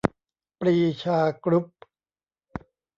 ปรีชากรุ๊ป